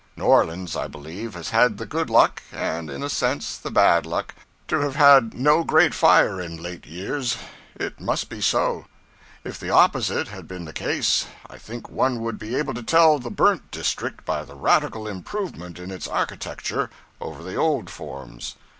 New Orleans, I believe, has had the good luck and in a sense the bad luck to have had no great fire in late years. It must be so. If the opposite had been the case, I think one would be able to tell the 'burnt district' by the radical improvement in its architecture over the old forms.